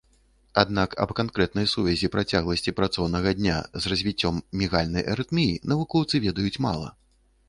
Аднак аб канкрэтнай сувязі працягласці працоўнага дня з развіццём мігальнай арытміі навукоўцы ведаюць мала.